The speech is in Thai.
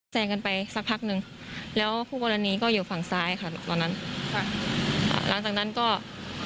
แซงกันไปสักพักหนึ่งแล้วคู่กรณีก็อยู่ฝั่งซ้ายค่ะตอนนั้นค่ะอ่าหลังจากนั้นก็